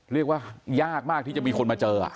เรียกว่ายากมากที่จะมีคนมาเจอ